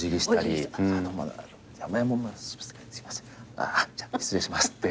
あじゃあ失礼しますって。